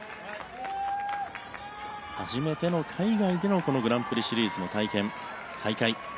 初めての海外でのグランプリシリーズの大会。